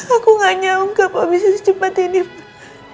aku gak nyangka pak bisa secepat ini pak